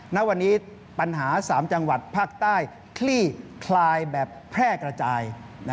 ณวันนี้ปัญหา๓จังหวัดภาคใต้คลี่คลายแบบแพร่กระจาย